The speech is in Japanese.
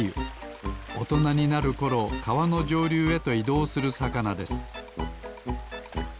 おとなになるころかわのじょうりゅうへといどうするさかなです